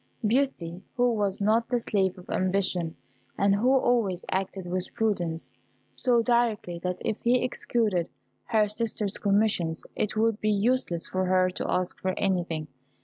Beauty, who was not the slave of ambition, and who always acted with prudence, saw directly that if he executed her sisters' commissions, it would be useless for her to ask for anything.